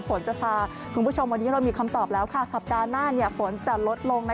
ฝนจะท้ายภูมิชมนี้เรามีคำตอบแล้วค่ะศัพท์กาหน้าเนี่ยฝนจะลดลงนะ